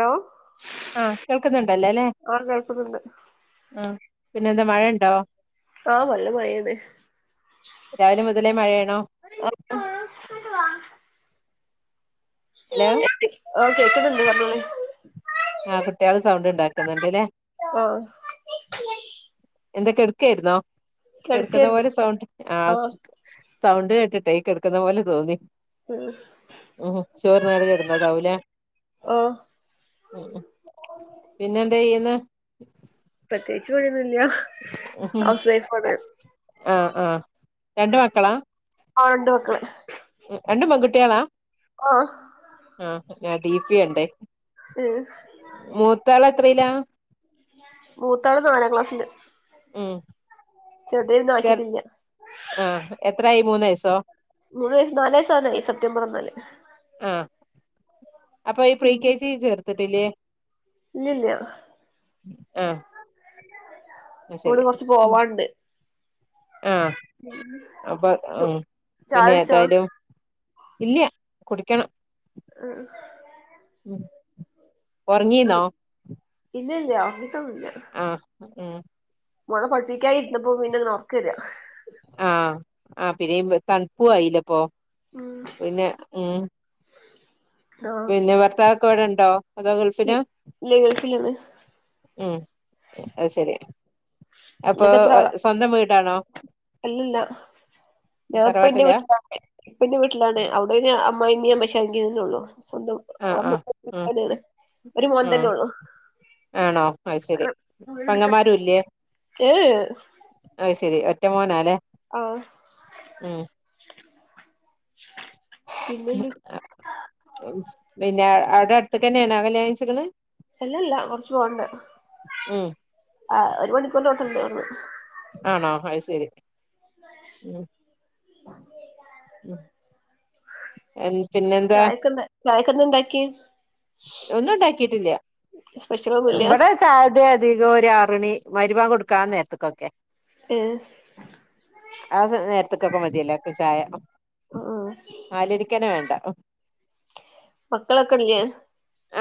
hello ആഹ് കേൾക്കുന്നുണ്ടല്ലോ അല്ലേ ഒണ്ട് കേൾക്കുന്നുണ്ട് ആഹ് പിന്നെന്താ മഴ ഉണ്ടോ ആഹ് നല്ല മഴയാണ് രാവിലെ മുതലേ മഴയാണോ ആ മൊത്തം ഹലോ ആഹ് കേക്കുന്നുണ്ട് പറഞ്ഞോളീ ആഹ് കുട്ടിയാള് സൗണ്ട് ഉണ്ടാക്കുന്നുണ്ട്ല്ലേ ആഹ് എന്താ കിടക്കായിരുന്നോ കെടക്കുന്ന കെടക്കായിരുന്നു പോലെ സൗണ്ട് ആഹ് സൗണ്ട് കേട്ടിട്ട് കിടക്കുന്ന പോലെ തോന്നി ഉം ഉം ചോറ് തിന്നാണ്ട് കിടന്നതാവൂല്ലേ ആഹ് ഉം ഉംപിന്നെ എന്താ ചെയ്യുന്നേ പ്രത്യേകിച്ച് പണിയൊന്നും ഇല്ല ആഹ് ആഹ് രണ്ട് മക്കളാ ആഹ് രണ്ട് മക്കള് രണ്ടും പെൺകുട്ട്യോളാ ആഹ് ആഹ് ഞാൻഡീപ്പി കണ്ടേ ഉം മൂത്തആൾഎത്രയിലാ മൂത്ത ആള് നാലാം ക്ലാസില് ഉം ചെർ ആക്കിയിട്ടില്ല ആഹ് എത്ര ആയി മൂന്ന് വയസോ മൂന്ന് വയസ്സ് നാല് വയസ് ആവാനായി സെപ്റ്റംബർ വന്നാല് ആഹ് അപ്പൊ ഈ പ്രീകെജി ചേർത്തിട്ടില്ലേ ഇല്ല ല്ലാ ആഹ് ശരി ഇവിടെന്ന് കൊറച്ച് ഉം പോവാണ്ട് ആഹ് അപ്പൊ ഉം ചായ പിന്നെ കുടിച്ചോ ഏതായാലും ഇല്ല കുടിക്കണം ആഹ് ഉം ഒറങ്ങീന്നോ ഇല്ല ഇല്ല ഒറങ്ങീട്ടൊന്നുല്ല ആഹ് ഉം മോളെ പഠിപ്പിക്കാൻഇരിന്നപ്പോ പിന്നെ ന്ന് ഒറക്കരാ ആഹ് ആ പിരിയുബ് തണുപ്പും ആ യില്ലെ ഇ പ്പൊ ഉം പിന്നെ ഉം ആഹ് പിന്നെ ഭർത്താവ് ഒക്കെ ഇവിടെ ണ്ടോ അതോ ഇ ഗൾഫിലാ ഇല്ല ഗൾഫിലാണ് ഉം അഹ് ശരി അപ്പൊ നിങ്ങക്ക് എത്ര ആളാ സ്വന്തം വീടാണോ അല്ലല്ല ഞാൻ ഇപ്പൊ ഇന്റെ തറവാട്ടിലാ വീട്ടിലാ ഇപ്പ ഇന്റെ വീട്ടിലാണ് അവിടയ്ന് അമ്മാ യിമ്മിം അമ്മോശ കാക്കിം ന്നെഒള്ളൂ സ്വന്തം ആഹ് ആഹ് അവൻമുറ്റത്ത്‌ ഉം തന്നെ ആണ് ഒരു മോൻ ഉം തന്നെ ഒള്ളു ആണോ അയ്ശരി പെങ്ങന്മരും ഇല്ലേ ഏ ഏ അത് ശരി ഒറ്റ മോനാ ല്ലേ ആഹ് പിന്നെന്ത് പിന്നെ അവിടെ അടുത്തക്ക് തന്നെ ആണോ കല്യാണം കഴിച്ചിക്ക്ണ് അല്ലല്ല കുറച്ച് പോകൻണ്ട് ഉം ആഹ് ഒരു മണിക്കൂർന്റെ അട്ത്ത്ണ്ട് അവിട്ന്ന് ആണോ അഹ് ശരി ഉം [inaudible] ഉം എൻ പിന്നെ ചായക്ക് ന്ന് ചായക്കന്താ ഇണ്ടാക്കിയെ ഒന്നും ണ്ടാക്കിട്ടില്ല സ്പെഷ്യലൊന്നുല്ല ഇവിടെ ചായ ടെ അധിക്കും ഒരു ആറണി മഗ്‌രിബ് ബാങ്ക് കൊടുക്കാ നേരത്ത്ക് ക്കൊക്കെ ഏഹ് ആ നേരത്ത് ക്കൊക്കെ മതിയല്ലോ അപ്പൊ ചായ ആഹ് ആഹ് നാല് ണിക്ക് ന്നെ വേണ്ട മക്കളൊക്കെ ഇല്ലേ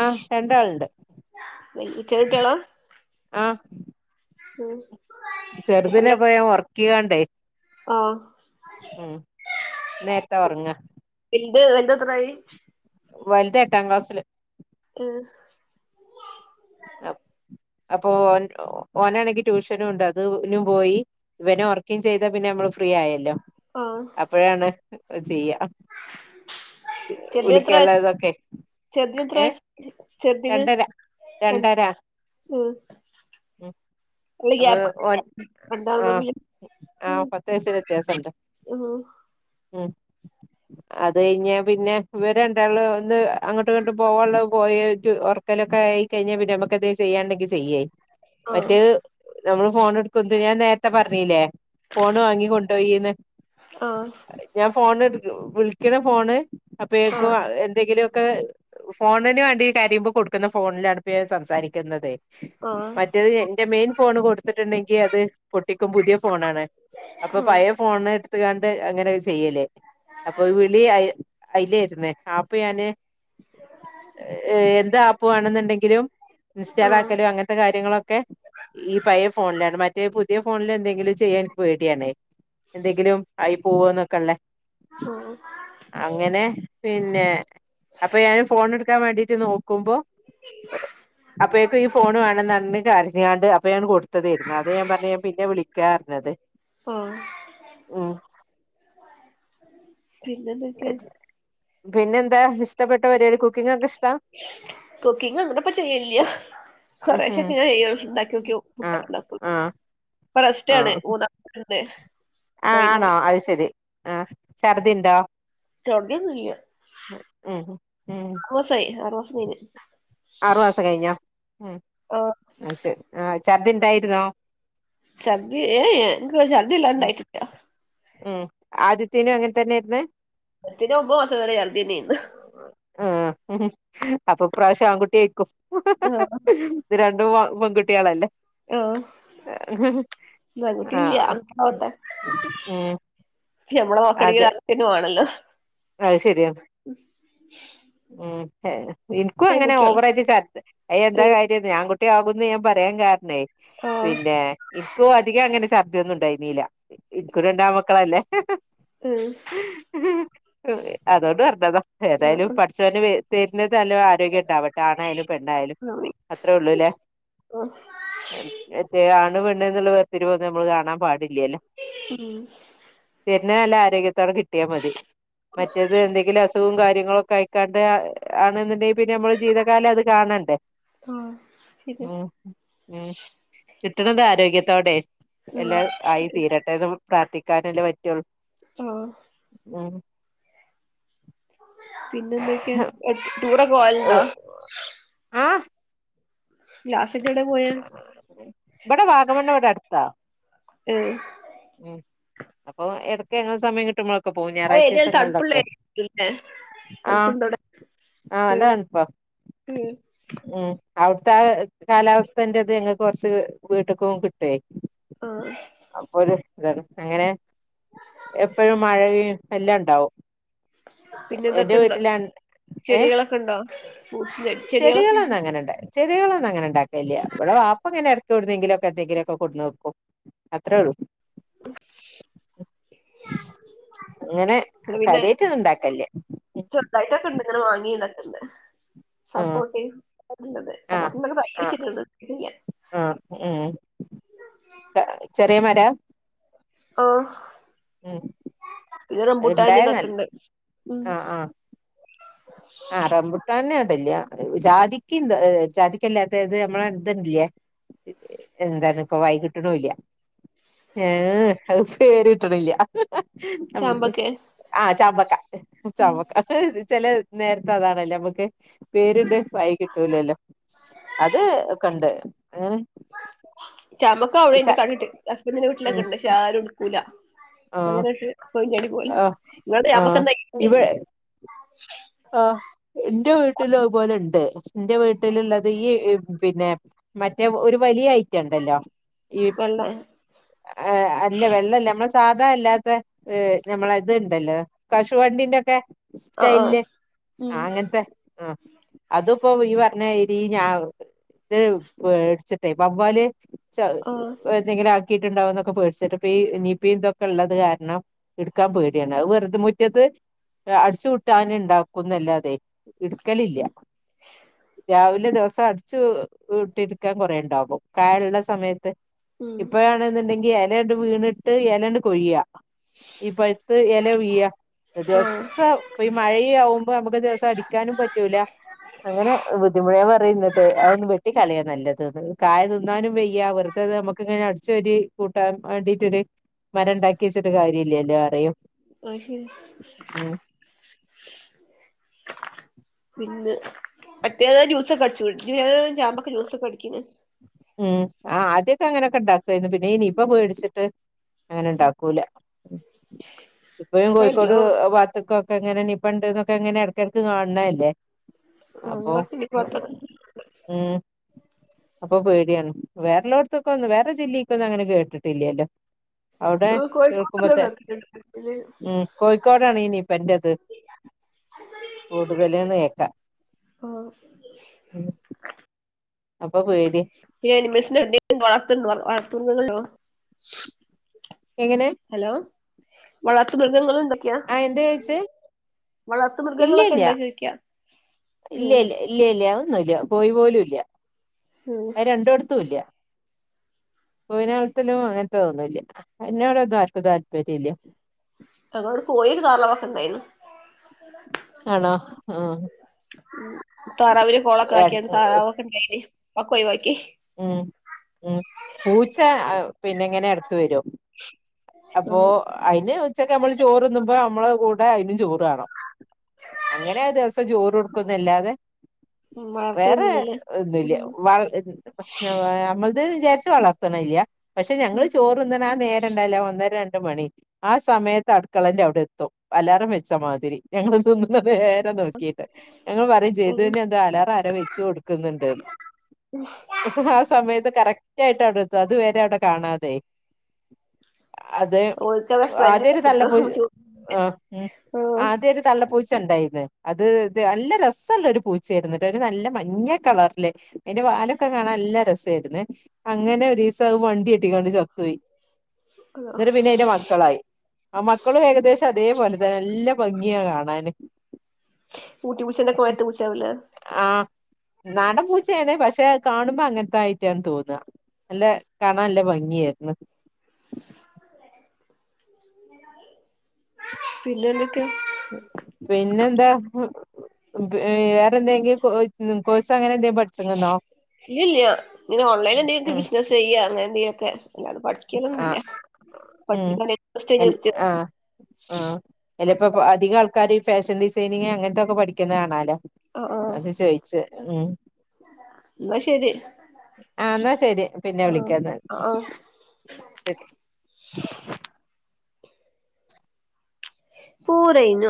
ആഹ് രണ്ടാളുണ്ട് ചെറി കുട്ടികളാ ആഹ് ഉം ചെർതിനെ എത്രയിലാ പോ ഞാൻ ഒർക്കിക്കാണ്ടെ ആഹ് ഉം ഇന്നെര്ത്താ ഒർങ്ങാ വൽത് വൽതെത്രായി വൽത് എട്ടാം ക്ലാസില് ഇഹ് അപ് അപ്പൊ ഓൻ ഓനാണെങ്കി ട്യൂഷനു ഉണ്ട് അത് നും പോയി ഇവനെ ഓർക്കിം ചെയ്ത പിന്നെ നമ്മള് ഫ്രീ ആയല്ലോ ആഹ് അപ്പഴാണ് ചെയ്യാ ചെറുതിന് എത്ര വിളിക്കാൻള്ള വയസ് തൊക്കെ ചെറുതിന് ഏ രണ്ടര എ ൻ രണ്ടര ഉം ഉം അല്ല അപ്പൊ ഗ്യാപ്പ് ഓൻ രണ്ടാളും ആ തമ്മില് ആ പത്തു വയസിന് വ്യത്യാസ ഇണ്ട് [unintelligible] ഉം അത് കഴിഞ്ഞ പിന്നെ ഇവരണ്ടാള് ഒന്ന് അങ്ങോട്ടു ഇങ്ങോട്ടു പോവാള്ള പോയി ഒർക്കലൊക്കെ ആയി കഴിഞ്ഞ പിന്നെ നമ്മക്കെന്തേ ചെയ്യാണ്ടങ്കി ചെയ്യേ ആഹ് മറ്റഹ് നമ്മള് ഫോൺ എടുക്കും ചെ ഞാൻ നേര്ത്തെ പർഞ്ഞീല്ലേ ഫോണ് വാങ്ങി കൊണ്ടോയീന്ന് ആഹ് ഞാൻ ഫോണ് വിൾക്ക്‌ണ ഫോണ് അപ്പയേക്കും എന്തെങ്കിലും ക്കെ ഫോണിന് വേണ്ടി കരയുമ്പോ കൊടുക്കുന്ന ഫോൺലാണ് ഇപ്പ ഞാൻ സംസാരിക്കുന്നത് ആഹ് മറ്റത് എന്റെ മെയിൻ ഫോണ് കൊടുത്ത്ട്ട്ണ്ടെങ്കി അത് പൊട്ടിക്കും പുതിയ ഫോണാണ് അപ്പ ആഹ് പയേ ഫോണ് ഇട്ത്ത്ങ്ങാണ്ട് അങ്ങനൊ ചെയ്യലേ അപ്പൊ വിളി അയി അയില്ലെയിര്ന്ന് ആപ്പ് ഞാന് എന്ത് ആപ്പ് വേണെന്നുണ്ടെങ്കിലും ഇൻസ്റ്റാൾ ആഹ് ആക്കല് അങ്ങൻ ത്ത കാര്യങ്ങളൊക്കെ ഈ പഴയ ഫോൺലാണ് മറ്റേ പുതിയ ഫോൺല് എന്തെങ്കിലും ചെയ്യാൻ ഇൻക്ക് പേടിയാണ് എന്തെങ്കിലും ആയി പോവോന്നൊക്കള്ളേ ഉം അങ്ങനെ പിന്നെ അപ്പൊ ഞാനും ഫോണ് എടുക്കാൻ വേണ്ടിട്ട് നോക്കുമ്പോ അപ്പഴേക്ക്‌ ഈ ഫോണ് വേണം ന്നർഞ്ഞ് കര്ഞ്ങ്ങാണ്ട് അപ്പ ഞാന് കൊടു ത്തതെയ്ര്ന്ന് അതെ ഞാൻ പർഞ്ഞെ ഞാൻ പിന്നെ വിളിക്കാർഞ്ഞത് ആഹ് ഉം പിന്നെ എന്തേ പിന്നെന്താ ഇഷ്ടപ്പെട്ട പരുപാടി കുക്കിംങ്‌ ഒക്കെ ഇഷ്ടാ കുക്കിങ് അങ്ങന ഇപ്പ ചെയ്യൽല്ലാ ഉം ഉം കൊറെശൊക്കെ ഞാൻ ചെയ്യോ ഇണ്ടാക്ക്യോ ആഹ് [unintelligible] ആഹ് ഇപ്പ റസ്റ്റ് ആണ് മൂന്നാ അതെ ആ ആണോ അഹ് ശരി ആ ഛർദിണ്ടോ തൊടങ്ങിയൊന്നുല്ല ഉം ഉം റ്മസായി ആറ് മാസം കഴിഞ് ആറുമാസം കഴിഞ്ഞോ ഉം ആഹ് അയ് ശരി ആ ചർദിണ്ടായിരുന്നോ ഛർദി എ എ ഇൻക്ക് ചർദി ഉം ഇല്ലാണ്ടായിട്ടില്ല ഉം ആദിത്യേനും അങ്ങൻ തന്നെയ്ര്ന്ന് ഇതിന് മുമ്പ് [unintelligible] തന്നെയ്ര്ന്ന് ഉം അപ്പൊ ഇപ്രാവശ്യം ആൺകുട്ടിയായ്ര്ക്കും ആഹ് ഇത് രണ്ടും പെൺകുട്ടിയെളല്ലേ ആഹ് [unintelligible] ആഹ് ഉം ഞമ്മള നോക്കണങ്കി ആൺകുട്ടി തന്നെ വാണല്ലോ ആഹ് ശരിയാണ് ഉം എനിക്കും അങ്ങനെ പെൺകുട്ടിയാള് ഓവറായിട്ട് സർ അയ് എന്താ ഏഹ് കാര്യം ഞാൻ ആങ്കുട്ടി ആകുന്ന് ഞാൻ പറയാൻ കാരണേ ആഹ് പിന്നെ ഇക്കും അധികം അങ്ങനെ ശർ ക്കുന്നുണ്ടായിനീല എൻക്കു രണ്ടാമക്കളല്ലേ ഏഹ് അതൊണ്ട് പറഞ്ഞതാ ഏതായാലും ആഹ് ച്ചോന് തര്ണത് നല്ല ആരോഗ്യം ഉണ്ടാവട്ടെ ആണായാലും പെണ്ണായാലും അത്രേ ഉള്ളൂല്ലേ ഒഹ് മറ്റേ ആണ് പെണ്ണ് എന്നുള്ള വേർതിരിവൊക്കെ നമ്മള് കാണാൻ പാടില്ലാലേ ഉം തര്ണത് നല്ല ആരോഗ്യത്തോടെ കിട്ടിയാ മതി മറ്റേത് എന്തെങ്കിലും അസുഖവും കാര്യങ്ങളു ഒക്കെ ആയി കണ്ട് ആണ്ന്നുണ്ടെങ്കി പിന്നെ നമ്മള് ജീവിതകാലം അത് കാണണ്ടേ ആഹ് ശരി ഉം ഉം കിട്ടണത് ആരോഗ്യത്തോടെ ഉം എല്ലാം ആയി തീരട്ടെ എന്ന് പ്രാർത്ഥിക്കാനല്ലേ പറ്റോള്ളൂ ഓഹ് ഉം പിന്നെ എന്തൊക്കെയാ ടൂറൊക്കെ ഓവലുണ്ടോ ആഹ് ലാസൊക്കെവിടെ പോയേ ഇവിടെ വാഗമണ്ണ് ഇവിടെ അടുത്താ ഇഹ് ഉം അപ്പൊ എടക്ക് ങ്ങള് സമയം കിട്ടുമ്പോള് ഇപ്പപോം ആ ഞായറാഴ്ച ഏരിയ തണുപ്പുള്ള ദിവസങ്ങളിലൊക്കെ ഏരിയല്ലേ ആഹ് തണുപ്പുണ്ടോ അവിടെ ആഹ് ഉം അതാൺപ്പ ഉം ഉം അവിടുത്തെ കാലാവസ്ഥേന്റത് ഞങ്ങക്ക് കൊറച്ച് വീട്ട്ക്കും കിട്ടുവേ ആഹ് അപ്പോര് ഇതാണ് അങ്ങനെ എപ്പഴും മഴയും എല്ലാം ഉണ്ടാവും എന്റെ വീട്ടിലാൺ ഏഹ് ക്കൊണ്ടോ ഫൂസില് ചെടികളൊന്നും അങ്ങനെ ഇണ്ടായി ചെടികളൊന്നും അങ്ങനെ ഉണ്ടാക്കയില്ല ഇവിടെ വാപ്പ ഇങ്ങനെ എടക്കെവിടുന്നെങ്കിലൊക്കെ എന്തെങ്കിലൊക്കെ കൊണ്ട് വക്കും അത്രേള്ളൂ [unintelligible] അങ്ങനെ ഇവിടെ പിന്നെ കാര്യാറ്റ് ഒന്നും ഒണ്ടാക്കൽല ചെറുതായിട്ടൊക്കെ ഇണ്ട് ഇങ്ങനെ വാങ്ങിയതൊക്കെ ഇണ്ട് ആഹ് സപ്പോർട്ടേം [unintelligible] ആഹ് സപ്പോർട്ട ആ [unintelligible] ആഹ് ഉം ചെറിയ മരാ ആഹ് ഉം പിന്നെ റെമ്പൂട്ടാന് ഉണ്ടായ നല്ല ഇതൊക്കെണ്ട് ഉം ആഹ് ആഹ് ആഹ് റംമ്പുട്ടാന് ഇടെല്ല ജാതിക്ക ന്ത് ജാതിക്കല്ലാത്ത ഇത് ഞമ്മള ഇത് ല്ലേ എന്താണ് ഇപ്പൊ വായി കിട്ട്ണൂല്ല ഏഹ് അത് പേര് കിട്ട്ണില്ല ചാമ്പക്കെ ആഹ് ചാമ്പക്ക ഉം ചാമ്പക്ക ചെലെ നേര്ത്ത് അതാണല്ല അമ്മക്ക് പേര്ത് വായി കിട്ടൂലല്ലോ അത്ക്കെണ്ട് അങ്ങനെ ചാമ്പക്ക അവിടെണ്ട് കണ്ടിട്ട് ഹസ്ബൻഡിന്റെ ഉം വീട്ടിലൊക്കെ ഉണ്ട് പക്ഷെ ആരു എടുക്കൂല ആഹ് അങ്ങനെട്ട് കൊയ്ഞ്ഞാടി പോയി ആഹ് ഇങ്ങള് ചാമ്പക്ക ആഹ് എന്താക്കായിട്ട്ണ്ട് ഇവ ആഹ് ഇന്റെ വീട്ടിലും അതുപോലെ ഉണ്ട് ഇന്റെ വീട്ടിലുള്ളത് ഈ പിന്നെ മറ്റേ ഒരു വലിയ ഐറ്റ ഇണ്ടല്ലോ ഈ വെള്ള ഏയ് അല്ല വെള്ളല്ല നമ്മളെ സാധാ അല്ലാത്തെ ഏഹ് നമ്മള ഇത്ണ്ടല്ലോ കശുവണ്ടിന്റെക്കെ ആഹ് ആഹ് സ്റ്റൈലില് ഉം ആഹ് അങ്ങൻത്തെ ആഹ് അത് ഇപ്പോ ഈ പർഞ്ഞാതിരി ഞാ ഇത് പേട്ച്ചിട്ടെ വവ്വാല് ചാഹ് ആഹ് ഏ എന്തെങ്കിലും ആക്കിട്ടുണ്ടാകും എന്നൊക്കെപേടിച്ചിട്ട് ഇപ്പൊ ഈ നിപ്പി ഇതൊക്കെ ഉള്ളത് കാരണം എടുക്കാൻ പേടിയാണ് വെറുതെ മുറ്റത്ത് അടിച്ചു കൂട്ടാന് ഇണ്ടാക്ക് ക്കും ന്നല്ലാതെ ഇട്ക്കലില്ല്യ രാവിലെ ദിവസം അടിച്ചു വിട്ടിരിക്കാൻ കൊറേണ്ടാകും കായള്ള സമയത്ത് ഉം ഇപ്പഴാണ്ന്നുണ്ടെങ്കി എലേണ്ട് വീണിട്ട് എലെണ്ട് കൊഴിയാ ഈപ്പഴ്ത്ത് എല വീഴാ ആഹ് ദിവസം ഇപ്പൊ ഈ മഴിയാവും ഇപ്പ അമ്മക്ക് ദിവസം അടിക്കാനും പറ്റൂല അങ്ങനെ ബുദ്ധിമുട്ട് പറയാന്നട്ട് അതൊന്നന്ന് വെട്ടി കളയാ നല്ലത് കായ തിന്നാനും വെയ്യ വെറു ത്തത് നമുക്കിങ്ങനെ അടിച്ചേരി കൂട്ടാൻ വേണ്ടിട്ടൊരു മരം ഉണ്ടാക്കി വെച്ചിട്ട് കാര്യമല്ലല്ലോ പറിയും അഹ് ശരി പിന്നെ മറ്റേത് ജ്യൂസൊക്കെ അടിച്ചു ഞ് ചാമ്പൊക്കെ ജ്യൂസൊക്കെ അടിക്ക്‌ണ് ഉം ആഹ് ആദ്യൊക്കെ അങ്ങനെയൊക്കെ ഇണ്ടാക്കേര്ന്നു പിന്നെ ഈ നിപ്പ പേടിച്ചിട്ട് അങ്ങനെ ഉണ്ടാക്കൂല ഇപ്പഴും ഇപ്പ കോഴിക്കോട് എല്ലോം വാത്ത്ക്കൊ പ്പങ്ങനെ നിപ്പണ്ട്ന്നൊക്കെങ്ങെനെ എടക്കടക്ക് കാണണ അല്ലേ ആഹ് അപ്പോ ഇവടൊക്കെ ഈ ഭാഗത്തൊക്കെ ഉം അപ്പൊ പേടിയാണ് വേറള്ളോട്ത്തൊക്കൊന്നും വേറെ ജില്ലീക്കൊന്നും അങ്ങനെ കേിട്ടില്ലല്ലോ അവിടെ ആഹ് കേൾക്കുമ്പത്തേ കോഴിക്കോട്ട്ല്ലോം ഉം കോഴിക്കോടാണ് ഈ നിപ്പന്റെത് കൂടുതല്ന്ന് കേക്ക ഓ അപ്പൊ പേടിയാ പിന്നെ അനിമൽസിന് എന്തേലും വളർത്തുണ്ടോ വളർത്തുന്നുണ്ടോ എങ്ങനെ ഹലോ വളർത്ത് മൃഗങ്ങളുണ്ടോ ക്യാ ആ എന്താ ചോയിച്ചേ വളർത്ത ഇല്ല മൃഗങ്ങളൊക്കെ ഇല്ല ഇണ്ടോ ചോയ്ക്കാ ഇല്ല ഇല്ല്യ ഇല്ല ഇല്ല്യ ഒന്നുംല്ല കോയി പോലും ഇല്ല്യ ഉം അത് രണ്ടോടുത്തു ഇല്ല്യ കോയിനെ വളർത്തലും അങ്ങനത്തെ ഇതൊന്നുല്ല അയ്നോടൊന്നും ആർക്കും താല്പര്യം ഇല്ല്യ ഞങ്ങളോടെ കോയിം താറാവൊക്കെ ഉണ്ടായിർന്നു ആണോ ആഹ് ഉം താറാവിന് കോളൊക്കെ ആക്കിയാണ്ട് സാറാവ് ഉണ്ടേയ്നി ഒക്കെ ഒയ്‌വാക്കി ഉം ഉം പൂച്ച അഹ് പിന്നെങ്ങനെ എടയ്ക്ക് വരും അപ്പൊ ഉം അയിന് ഉച്ചക്ക് നമ്മള് ചോറ്ന്നുമ്പോ നമ്മള് കൂടെ അയ്നും ചോറുവേണം അങ്ങനെ ദിവസം ചോറ് കൊടുക്കുന്നല്ലാതെ വേറെ വളർത്തൊന്നുല്ലല്ലേ ഒന്നുംല്ല ഉം വള്ഹ് ഞമ്മൾത് വിചാരിച്ച് വളർത്തണല്ല പക്ഷെ ഞങ്ങള് ചോറ് തിന്നണ ആഹ് നേരം ഉണ്ടാവില്ലെ ഒന്ന് രണ്ട് മണി ആഹ് സമയത്ത് അടുക്കളെൻ്റെ അവിടെ എത്തും അലാറാം വെച്ചമാതിരി ഞങ്ങള് തിന്നുന്ന നേരം നോക്കിട്ട് ഞങ്ങൾ പറയും ചെയ്ത് ഉം തന്നെ എന്താ അലാറം ആരോ വെച്ച് കൊടുക്കുന്നുണ്ട്ന്ന് ആഹ് സമയത്ത് കറക്റ്റ് ആയിട്ട് അവിടെ എത്തും അതുവരെ അവിടെ കാണാതെ അതെ ഓൽക്കത് സ്മെല്ല് ആദ്യം ഒരു തള്ള പൊ കിട്ടും ഉം ആഹ് ഉം ആദ്യം ഒരു തള്ള പൂച്ച ഉണ്ടായിരുന്നു അത് ഇത് നല്ല രസമുള്ള ഒരു പൂച്ചയായിരുന്നു ഒരു നല്ല മഞ്ഞ കളറില് അയിന്റെ വാലൊക്കെ കാണാൻ നല്ല രസമായിരുന്നെ അങ്ങനെ ഒരു ദിവസം അത് വണ്ടി തട്ടിക്കാണ്ട് ചത്തുപോയി എന്നിട്ട് പിന്നെ അതിൻ്റെ മക്കളായി ആഹ് മക്കളും ഏകദേശം അതേപോലെത്തന്നെ നല്ല ഭംഗിയാ കാണാന് ഊട്ടി പൂച്ചേന്റെ കൊയത്ത് പൂച്ചാവില്ലേ ആഹ്‌ നാടൻ പൂച്ചയാണ് പക്ഷെ കാണുമ്പോ അങ്ങനത്തായിട്ടാണ് തോന്നാ നല്ല കാണാല്ല ഭംഗിയാര്ന്ന് പിന്നെന്തൊക്കെയാ പിന്നെന്താഹ് വ് വേറെന്തെങ്കിം കോ കോഴ്സൊ അങ്ങനെ എന്തെങ്കിം പഠി ഇല്ലില്ല്യ ങ്ങനെ ഓൺലൈന്ലെന്തേലൊക്കെ ഉം ബിസിനസ് ചെയ്യ അങ്ങനെ എന്തെലൊക്കെ അങ്ങനെ പഠിക്കലൊന്നൂല ആഹ് ഉം [unintelligible] അതിലിപ്പപ് അധികാൾക്കാരും ഈ ഫാഷൻ ഡിസൈനിങ് അങ്ങൻത്തൊക്കെ പഠിക്കുന്ന കാണാല്ലോ അത ചോയിച്ചെ മ്മ് ന്നാ ശെരി ആ ന്നാ ശെരി പിന്നെ വിളിക്കാന്നാല് ആഹ് ശരി പൂരെയ്നൊ